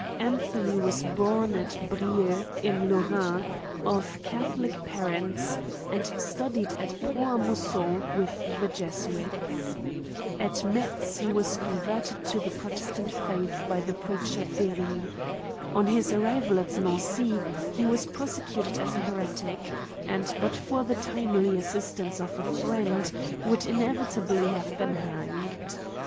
Anthony was born at Brieu in Lorraine, of Ca tholic parents, and studied at Pont a Mousson with the Jesuits. At Metz he was converted to the protestant faith by the preacher Feri. On his arrival at Nancy, he was prosecuted as a heretic ; and, but for the timely assistance of a friend, would inevitably have been hanged.